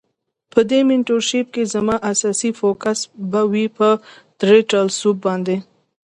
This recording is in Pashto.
په دی مینټور شیپ کی زما اساسی فوکس به وی په ټرټل سوپ باندی.